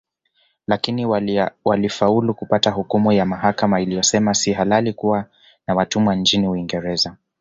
Lakini walifaulu kupata hukumu ya mahakama iliyosema si halali kuwa na watumwa nchini Uingereza